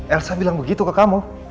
elsa bilang begitu ke kamu